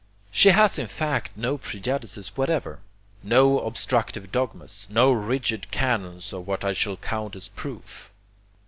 She has in fact no prejudices whatever, no obstructive dogmas, no rigid canons of what shall count as proof.